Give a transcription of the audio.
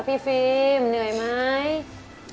ฟิล์มเหนื่อยไหม